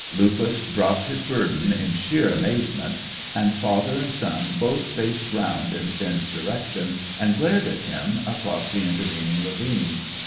Lupus dropped his burden in sheer amazement, and father and son both faced round in Finn's direction, and glared at him across the intervening ravine.